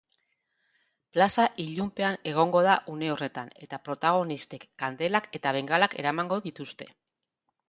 Plaza ilunpean egongo da une horretan eta protagonistek kandelak eta bengalak eramango dituzte.